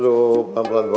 aduh pelan pelan bu